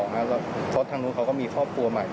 เพราะทางนู้นเขาก็มีครอบครัวใหม่